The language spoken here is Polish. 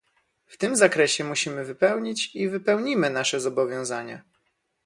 W tym zakresie musimy wypełnić i wypełnimy nasze zobowiązania